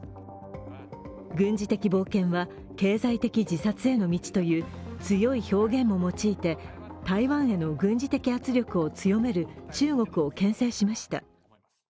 軍事的冒険は経済的自殺への道という強い表現も用いて台湾への軍事的圧力を強める中国を牽制しました。